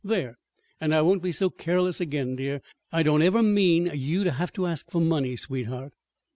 "There! And I won't be so careless again, dear. I don't ever mean you to have to ask for money, sweetheart."